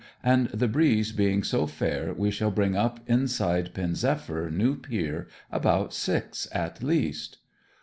And the breeze being so fair we shall bring up inside Pen zephyr new pier about six at least.'